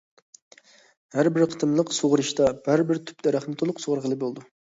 ھەر بىر قېتىملىق سۇغىرىشتا، ھەر بىر تۈپ دەرەخنى تولۇق سۇغارغىلى بولىدۇ.